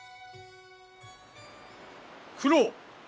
九郎！